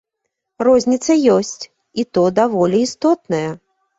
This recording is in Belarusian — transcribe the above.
Розніца ёсць, і то даволі істотная.